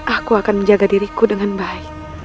aku akan menjaga diriku dengan baik